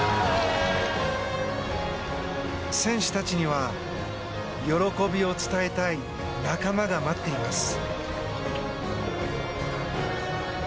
選手たちには喜びを伝えたい仲間が待っています。